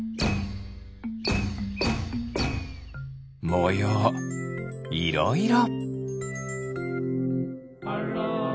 もよういろいろ。